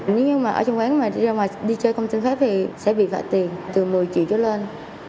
nếu như mà ở trong quán mà đi ra ngoài đi chơi công tư phép thì sẽ bị vạ tiền từ một mươi triệu cho lên